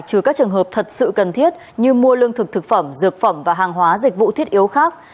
trừ các trường hợp thật sự cần thiết như mua lương thực thực phẩm dược phẩm và hàng hóa dịch vụ thiết yếu khác